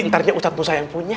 entarnya ustadz muhtar yang punya